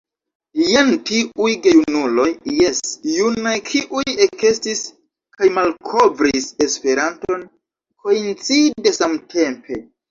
Jen tiuj gejunuloj, jes, junaj, kiuj ekestis kaj malkovris Esperanton, koincide samtempe!